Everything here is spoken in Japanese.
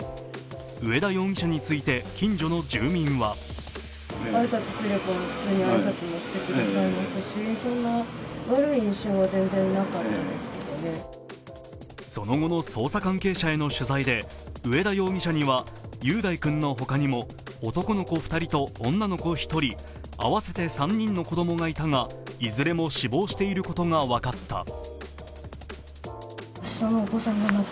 上田容疑者について、近所の住民はその後の捜査関係者への取材で、上田容疑者には雄大君の他にも男の子２人と女の子１人合わせて３人の子供がいたが、いずれも死亡していることが分かった。